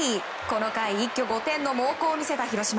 この回一挙５点の猛攻を見せた広島。